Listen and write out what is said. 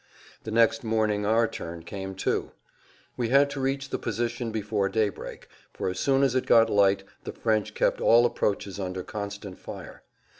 The next morning our turn came, too. We had to reach the position before day break, for as soon as it got light the French kept all approaches under constant fire.